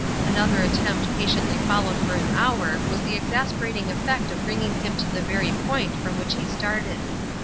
Another attempt patiently followed for an hour has the exasperating effect of bringing him to the very point from which he started.